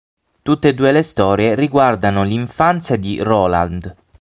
Tutte e due le storie riguardano l'infanzia di Roland.